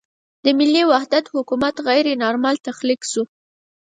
د ملي وحدت حکومت غیر نارمل تخلیق شو.